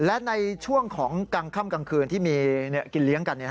และในช่วงของกลางค่ำกลางคืนที่มีกินเลี้ยงกัน